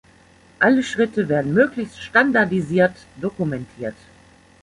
Alle Schritte werden möglichst standardisiert dokumentiert.